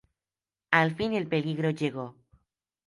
Al fin, el peligro llegó.